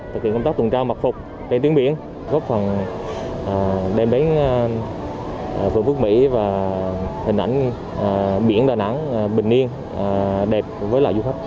thực hiện công tác tuần tra mặc phục trên tiếng biển góp phần đem đến phương phức mỹ và hình ảnh biển đà nẵng bình yên đẹp với loài du khách